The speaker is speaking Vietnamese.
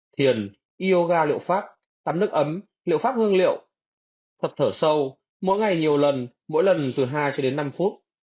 thiền yoga liệu pháp tắm nước ấm liệu pháp hương liệu thập thở sâu mỗi ngày nhiều lần mỗi lần từ hai năm phút